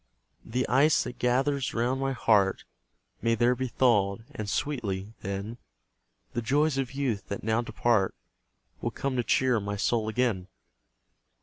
The ice that gathers round my heart May there be thawed; and sweetly, then, The joys of youth, that now depart, Will come to cheer my soul again.